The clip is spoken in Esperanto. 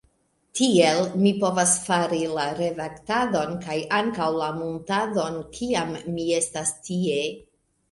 Tiel mi povas fari la redaktadon kaj ankaŭ la muntadon, kiam mi estas tie.